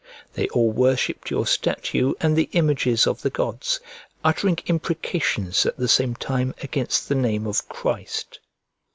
They all worshipped your statue and the images of the gods, uttering imprecations at the same time against the name of Christ.